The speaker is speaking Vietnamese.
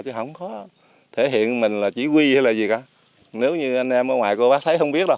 chứ không có thể hiện mình là chỉ huy hay là gì cả nếu như anh em ở ngoài cô bác thấy không biết đâu